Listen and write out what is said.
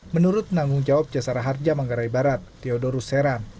menurut penanggung jawab jasara harja manggarai barat theodorus seran